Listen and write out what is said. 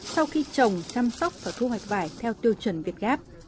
sau khi trồng chăm sóc và thu hoạch vải theo tiêu chuẩn việt gáp